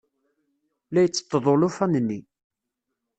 La itteṭṭeḍ ulufan-nni.